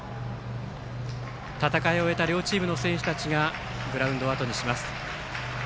戦いを終えた両チームの選手たちがグラウンドをあとにします。